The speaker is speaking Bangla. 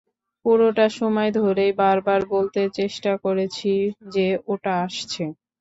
পুরোটা সময় ধরেই বারবার বলতে চেষ্টা করেছি যে ওটা আসছে!